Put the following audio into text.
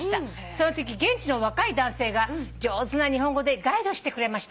「そのとき現地の若い男性が上手な日本語でガイドしてくれました」